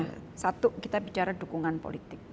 kalau kita bicara dukungan politik